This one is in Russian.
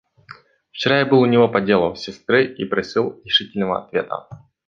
Вчера я был у него по делу сестры и просил решительного ответа.